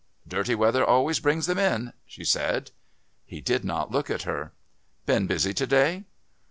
"Dirty weather always brings them in," she said. He did not look at her. "Been busy to day?"